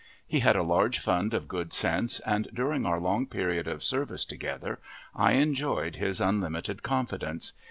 He had a large fund of good sense, and, during our long period of service together, I enjoyed his unlimited confidence.